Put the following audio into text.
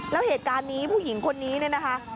แล้วเหตุการณ์นี้ผู้หญิงคนนี้เนี่ยนะคะ